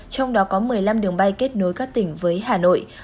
trong đó có một mươi năm đường bay kết nối các tỉnh với hà nội